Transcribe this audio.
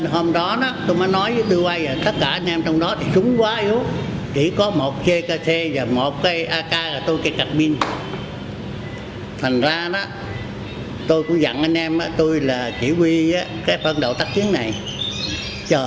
hôm đó tôi đã đánh trả một trăm linh tên địch bắn rơi một mươi một máy bay bắn cháy một xe m một trăm bảy mươi ba bảo vệ các đồng chí lãnh đạo khu ủy về phía sau an toàn